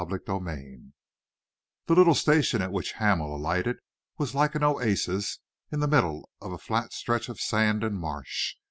CHAPTER XI The little station at which Hamel alighted was like an oasis in the middle of a flat stretch of sand and marsh.